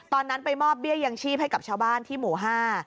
ตอนนั้นไปมอบแบ้ยย่างชีพให้กับช้าบ้านที่หมู่ห้า